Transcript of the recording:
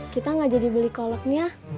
kita nggak jadi beli kolaknya